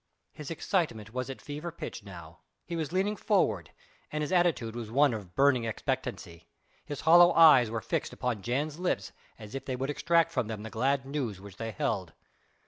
His excitement was at fever pitch now. He was leaning forward, and his attitude was one of burning expectancy. His hollow eyes were fixed upon Jan's lips as if they would extract from them the glad news which they held.